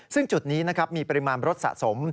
ซึ่งจุดนี้นะครับมีปริมาณรถสะสม